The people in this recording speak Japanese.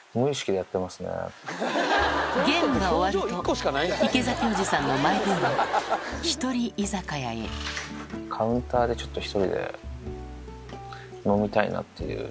ゲームが終わると、池崎おじさんのマイブーム、カウンターでちょっと１人で飲みたいなっていう。